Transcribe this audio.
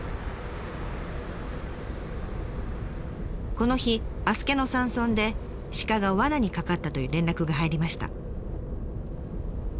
この日足助の山村で鹿が罠に掛かったという連絡が入りました。